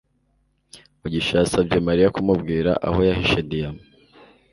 mugisha yasabye mariya kumubwira aho yahishe diyama